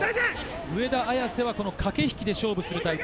上田綺世は駆け引きで勝負するタイプ。